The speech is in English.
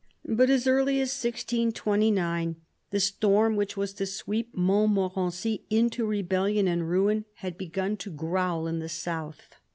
But as early as 1629 the storm which was to sweep Montmorency into rebellion and ruin had begun to growl in the south.